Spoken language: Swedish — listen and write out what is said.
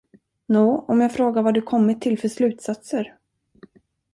Nå, om jag frågar, vad du kommit till för slutsatser?